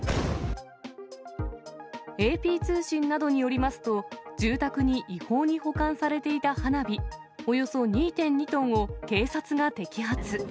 ＡＰ通信などによりますと、住宅に違法に保管されていた花火およそ２．２トンを警察が摘発。